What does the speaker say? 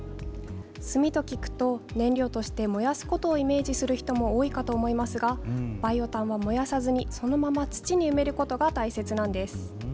炭と聞くと燃料として燃やすことをイメージする人も多いかと思いますが、バイオ炭は燃やさずにそのまま土に埋めることが大切なんです。